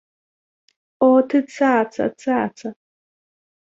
О, ты цаца, цаца!